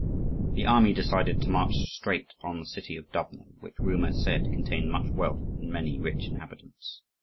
The army decided to march straight on the city of Dubno, which, rumour said, contained much wealth and many rich inhabitants.